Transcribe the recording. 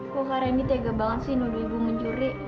kok kak randy tega banget sih nuduh ibu menjuri